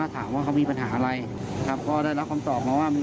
พระมัดตลาดนัดก็ปิด